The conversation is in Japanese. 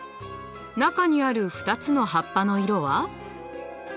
中にある２つの葉っぱの色は？